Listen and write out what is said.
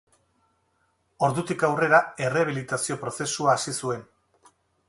Ordutik aurrera, errehabilitazio prozesua hasi zuen.